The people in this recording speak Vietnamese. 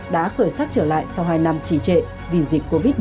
đã khởi sắc trở lại sau hai năm trì trệ vì dịch covid một mươi chín